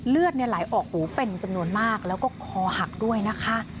เลือดไหลออกหูเป็นจำนวนมากแล้วก็คอหักด้วยนะคะ